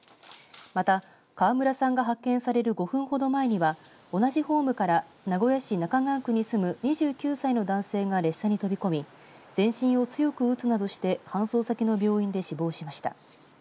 また、川村さんが発見される５分ほど前には同じホームから名古屋市中川区に住む２９歳の男性が列車に飛び込み全身を強く打つなどして搬送先の病院で死亡しました。